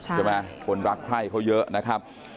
ใช่ไหมคนรักไข้เขาเยอะนะครับ